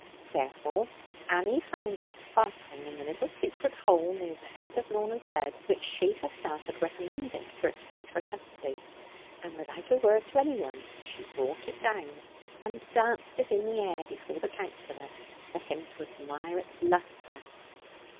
Therefore Annie found it sparkling in the little secret hole, near the head of Lorna's bed, which she herself had recommended for its safer custody; and without a word to any one she brought it down, and danced it in the air before the Counsellor, for him to admire its lustre.